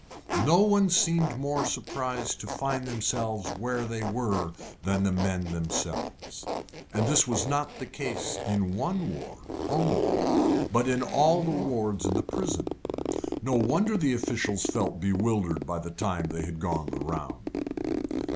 No one seemed more surprised to find themselves where they were than the men themselves. And this was not the case in one ward only but in all the wards in the prison. No wonder the officials felt bewildered by the time they had gone the round.